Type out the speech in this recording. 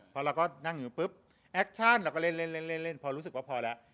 พอเราก็นั่งอยู่ปุ๊บแอคชั่นเราก็เล่นพอรู้สึกว่าพอแล้ว